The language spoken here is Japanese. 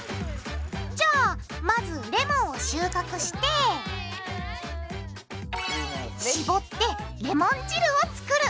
じゃあまずレモンを収穫してしぼってレモン汁を作る！